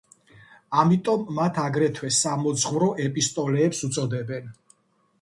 ამიტომ მათ აგრეთვე, „სამოძღვრო ეპისტოლეებს“ უწოდებენ.